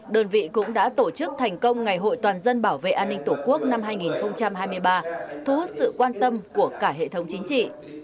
đơn vị cũng đã tổ chức thành công ngày hội toàn dân bảo vệ an ninh tổ quốc năm hai nghìn hai mươi ba thu hút sự quan tâm của cả hệ thống chính trị